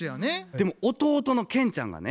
でも弟のケンちゃんがね